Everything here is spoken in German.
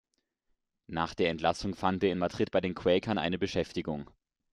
Nach der Entlassung fand er in Madrid bei den Quäkern eine Beschäftigung.